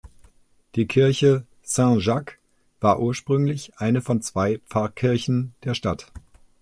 Die Kirche "Saint-Jacques" war ursprünglich eine von zwei Pfarrkirchen der Stadt.